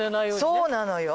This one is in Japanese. そうなのよ。